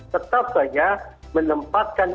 tetap hanya menempatkan